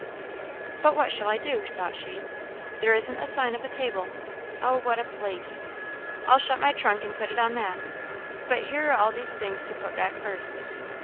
"But what shall I do?" thought she "there isn't a sign of a table. Oh, what a place! I'll shut my trunk and put it on that. But here are all these things to put back first."